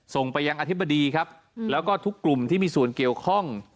ส่งไปยังอธิบดีครับแล้วก็ทุกกลุ่มที่มีส่วนเกี่ยวข้อง